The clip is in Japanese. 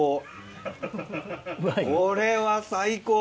これは最高。